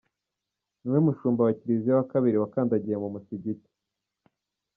Niwe mushumba wa Kiliziya wa kabiri wakandagiye mu musigiti.